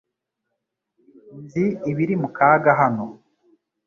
Nzi ibiri mu kaga hano .